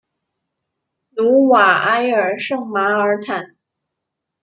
努瓦埃尔圣马尔坦。